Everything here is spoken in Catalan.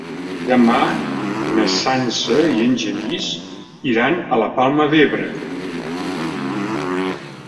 Demà na Sança i en Genís iran a la Palma d'Ebre.